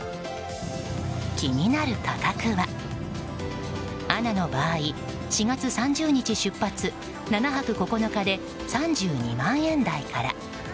気になる価格は、ＡＮＡの場合４月３０日出発、７泊９日で３２万円台から。